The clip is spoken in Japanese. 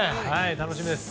楽しみです。